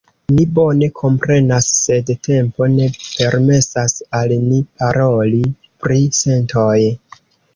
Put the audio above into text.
Ni bone komprenas, sed tempo ne permesas al ni paroli pri sentoj.